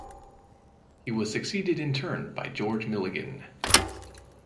He was succeeded in turn by George Milligan.